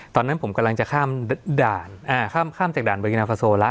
ตอนนั้นผมกำลังจะข้ามด่านข้ามจากด่านเบอร์กินาฟาโซละ